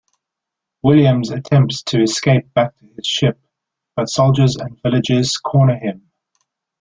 Williams attempts to escape back to his ship, but soldiers and villagers corner him.